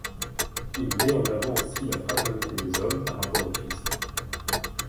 Il met en avant aussi la fraternité des hommes par rapport au Christ.